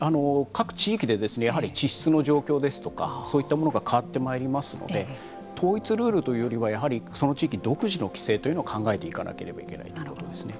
各地域でやはり地質の状況ですとかそういったものが変わってまいりますので統一ルールというよりはやはりその地域独自の規制というのを考えていかなければいけないということですね。